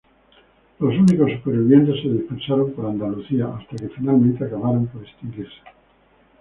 Los únicos supervivientes se dispersaron por Andalucía, hasta que finalmente acabaron por extinguirse.